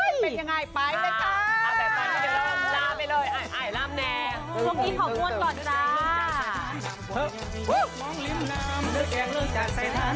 แต่ตอนนี้จะล้อมล้าไปเลยล้าแมน